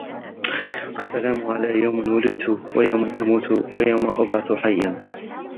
وَالسَّلَامُ عَلَيَّ يَوْمَ وُلِدْتُ وَيَوْمَ أَمُوتُ وَيَوْمَ أُبْعَثُ حَيًّا